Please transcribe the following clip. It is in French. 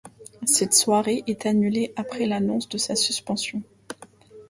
Cette soirée est annulée après l'annonce de sa suspension.